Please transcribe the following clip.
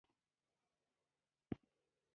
وفاداري د دوستۍ او اړیکو ساتونکی دی.